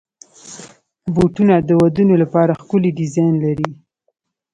بوټونه د ودونو لپاره ښکلي ډیزاین لري.